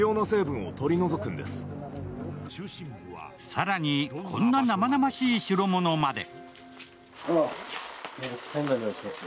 更に、こんな生々しい代物まで。